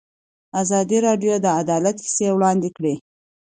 ازادي راډیو د عدالت کیسې وړاندې کړي.